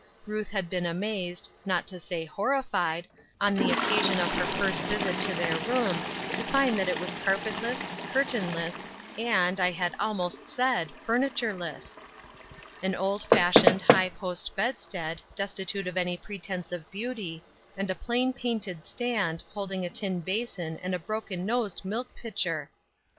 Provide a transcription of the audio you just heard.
liuth had been amazed, not to say horrified, on tlie occasion of her first visit to their room, to liiid that it was carpetless, curtainless, and, I Ixad almost said, furnitureless ! An old fasli Trying Questions, 329 loDed, high post bedstead, destitute of any pre tense of beauty, and a plain painted stand, hold ing a tin basin and a broken nosed mik pitcher!